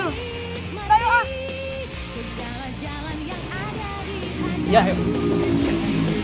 gua dari tadi udah santai michelle